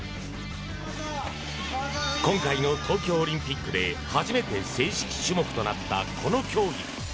今回の東京オリンピックで初めて正式種目となったこの競技。